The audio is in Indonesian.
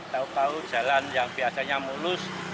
tau tau jalan yang biasanya mulus